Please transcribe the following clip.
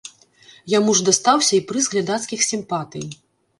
Яму ж дастаўся і прыз глядацкіх сімпатый.